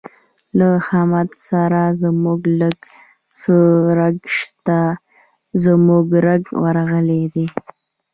له حمد سره زموږ لږ څه رګ شته، زموږ رګ ورغلی دی.